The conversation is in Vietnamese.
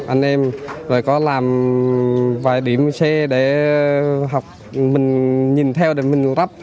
anh em rồi có làm vài điểm xe để học mình nhìn theo để mình lắp